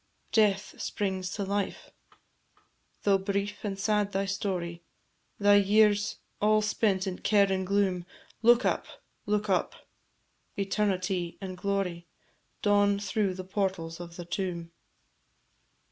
Death springs to life: Though brief and sad thy story, Thy years all spent in care and gloom, Look up, look up; Eternity and glory Dawn through the portals of the tomb.